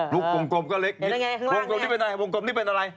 รูปวงกลมก็เล็กนิดนึงวงกลมนี้เป็นอะไร